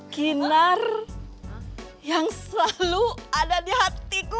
kinar yang selalu ada di hatiku